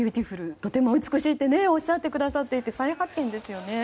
とても美しいっておっしゃっていて再発見ですよね。